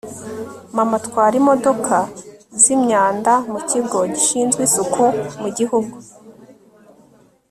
mama atwara imodoka zimyanda mukigo gishinzwe isuku mugihugu